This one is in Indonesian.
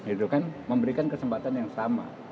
itu kan memberikan kesempatan yang sama